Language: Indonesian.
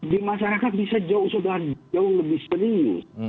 di masyarakat bisa jauh lebih serius